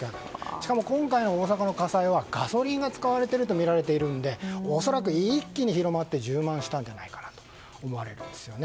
しかも今回の大阪の火災はガソリンが使われているとみられているので恐らく一気に広まって充満したんじゃないかと思われますね。